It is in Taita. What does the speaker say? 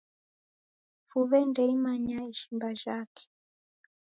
Fuw'e nde imanya ishimba jhake.